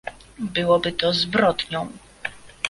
Byłoby to zbrodnią